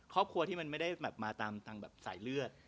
ครอบครัวที่มันไม่ได้แบบมาตามทางแบบสายเลือด